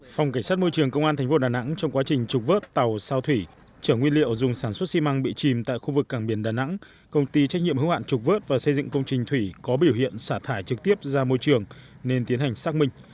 phòng cảnh sát môi trường công an tp đà nẵng trong quá trình trục vớt tàu sao thủy trở nguyên liệu dùng sản xuất xi măng bị chìm tại khu vực cảng biển đà nẵng công ty trách nhiệm hữu hạn trục vớt và xây dựng công trình thủy có biểu hiện xả thải trực tiếp ra môi trường nên tiến hành xác minh